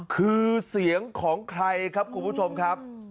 คือเสียงของใครครับคุณผู้ชมครับ